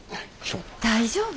大丈夫？